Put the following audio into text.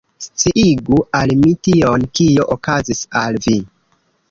Sciigu al mi tion, kio okazis al vi.